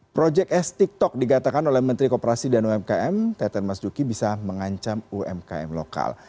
proyek s tiktok dikatakan oleh menteri kooperasi dan umkm teten mas duki bisa mengancam umkm lokal